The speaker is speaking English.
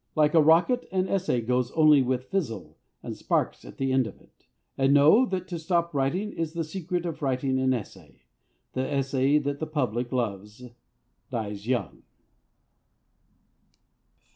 Like a rocket, an essay goes only with fizzle and sparks at the end of it. And, know, that to stop writing is the secret of writing an essay; the essay that the public loves dies young.